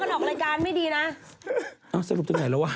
สถาบันอะไรก็ทำลายกับท่านเอง